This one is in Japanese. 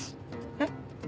えっ？